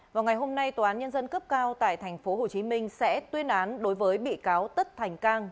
vào ngày hôm nay tòa án nhân dân cấp cao tại tp hcm sẽ tuyên án đối với bị cáo tất thành cang